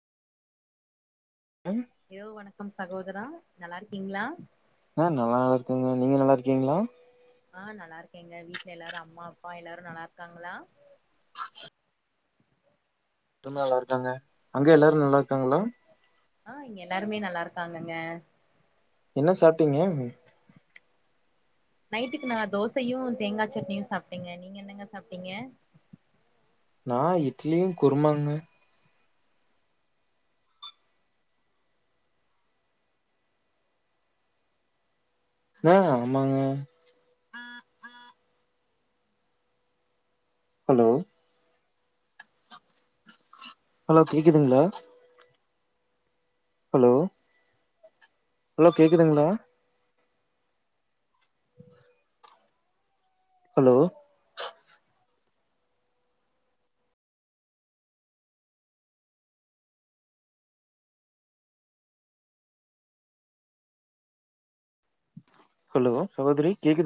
ம் யோ வணக்கம் சகோ அப்புறோ நல்லா இருக்கீங்களா ஆஹ் நல்லா இருக்கங்க நீங்க நல்லா இருக்கீங்களா ஆ நல்லாருக்கேங்க வீட்ல எல்லாரூ அம்மா அப்பா எல்லாரூ நல்லாருக்காங்களா துமே நல்லாருக்காங்க அங்க எல்லாரு நல்லாருக்காங்களா ஆ இங்க எல்லாருமே நல்லாருக்காங்கங்க என்ன சாப்ட்டீங்க ம் நைட்டுக்கு நா தோசையூ தேங்கா சட்னியூ சாப்டேங்க நீங்க என்னங்க சாப்ட்டீங்க நா இட்லியூ குருமாங்க ஆ ஆமாங்க ஹலோ ஹலோ கேக்குதுங்ளா ஹலோ ஹலோ கேக்குதுங்ளா ஹலோ ஹலோ சகோதரி கேக்குது